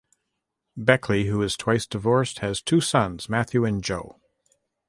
Beckley, who is twice divorced, has two sons, Matthew and Joe.